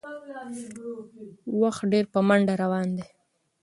وخت ډېر په منډه روان دی